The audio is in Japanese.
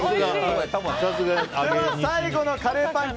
最後のカレーパン